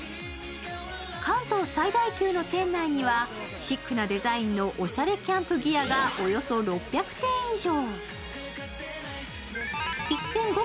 関東最大級の店内にはシックなデザインのおしゃれキャンプギアがおよそ６００点以上。